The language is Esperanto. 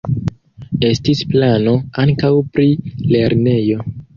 Estis plano ankaŭ pri lernejo.